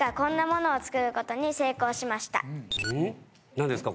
何ですか？